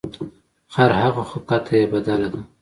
خر هغه خو کته یې بدله ده.